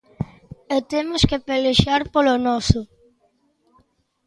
E temos que pelexar polo noso.